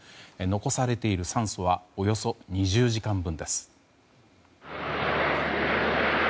残されている酸素はおよそ２０時間分です。